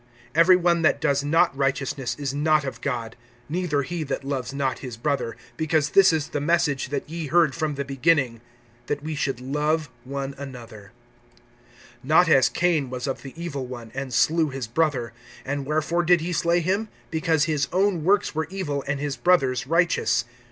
Every one that does not righteousness is not of God, neither he that loves not his brother; (11)because this is the message that ye heard from the beginning, that we should love one another (12)Not as Cain was of the evil one, and slew his brother. And wherefore did he slay him? Because his own works were evil, and his brother's righteous.